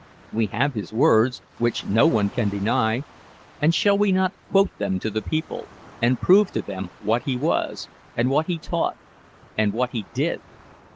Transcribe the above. We have his words, which no one can deny; and shall we not quote them to the people, and prove to them what he was, and what he taught, and what he did?